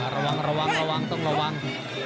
ระวังระวังต้องระวัง